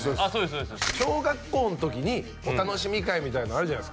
そうです小学校の時にお楽しみ会みたいなのあるじゃないですか